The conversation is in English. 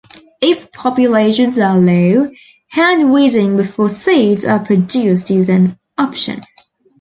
If populations are low, hand weeding before seeds are produced is an option.